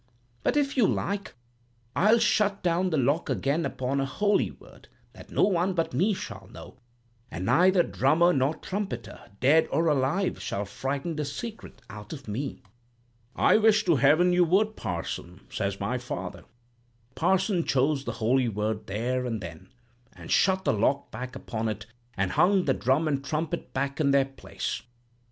But if you like, I'll shut down the lock again upon a holy word that no one but me shall know, and neither drummer nor trumpeter, dead or alive, shall frighten the secret out of me.' "'I wish to heaven you would, parson,' said my father. "The parson chose the holy word there and then, and shut the lock back upon it, and hung the drum and trumpet back in their place.